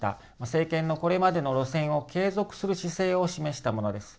政権のこれまでの路線を継続する姿勢を示したものです。